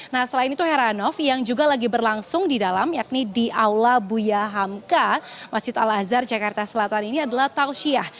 nah selain itu heranov yang juga lagi berlangsung di dalam yakni di aula buya hamka masjid al azhar jakarta selatan ini adalah tausiyah